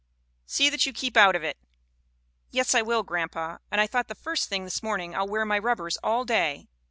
See that you keep out of it.' " 'Yes, I will, grandpa ; and I thought the first thing this morning, I'll wear my rubbers all day.